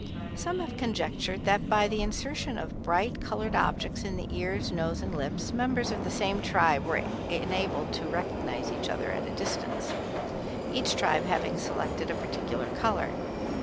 Some have conjectured that by the insertion of bright, colored objects in the ears, nose and lips, members of the same tribe were enabled to recognize each other at a distance; each tribe having selected a particular color.